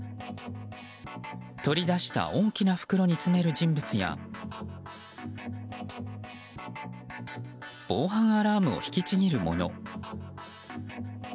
取り出した大きな袋に詰める人物や防犯アラームを引きちぎる者。